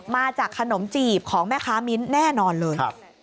มาจากขนมจีบของแม่ค้ามิ้นแน่นอนเลย